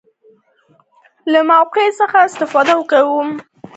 له موقع څخه استفاده کوم.